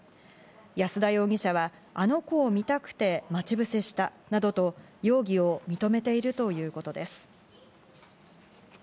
安田容疑者は、あの子を見たくて待ち伏せしたなどと容疑を認めているということです。